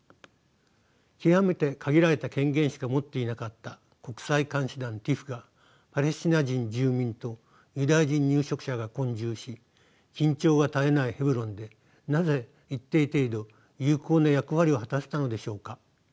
極めて限られた権限しか持っていなかった国際監視団ＴＩＰＨがパレスチナ人住民とユダヤ人入植者が混住し緊張が絶えないヘブロンでなぜ一定程度有効な役割を果たせたのでしょうか。